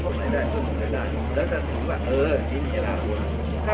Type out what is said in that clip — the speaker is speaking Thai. เมืองอัศวินธรรมดาคือสถานที่สุดท้ายของเมืองอัศวินธรรมดา